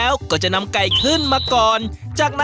ผลให้มันเข้ากันใช่ค่ะ